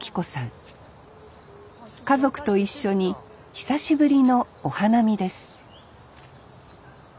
家族と一緒に久しぶりのお花見です